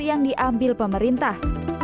yang diambil pemerintah